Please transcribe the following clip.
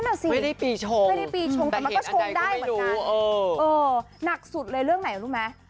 แน่น่ะสิไม่ได้ปีชงแต่มันก็ชงได้เหมือนกันเออหนักสุดเลยเรื่องไหนรู้ไหม